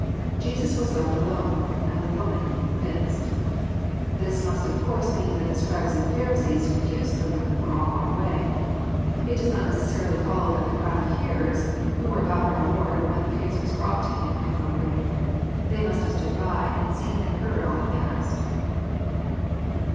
[Jesus was left alone, and the vjoman,.. midst,'] This mnst of coarse mean that the Scribes and Pharisees who accused the women were all gone away. It does not necessarily follow that the crowd of hearers who were about our Lord when the case was brought to Him had gone away. They must have stood by, and seen and heard all that passed.